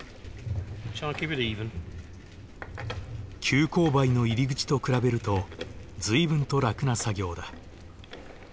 急勾配の入り口と比べると随分と楽な作業だ。